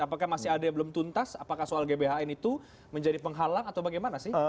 apakah masih ada yang belum tuntas apakah soal gbhn itu menjadi penghalang atau bagaimana sih